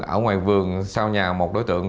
ở ngoài vườn sau nhà một đối tượng